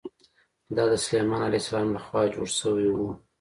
دا د سلیمان علیه السلام له خوا جوړ شوی و.